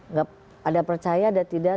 nggak ada percaya ada tidak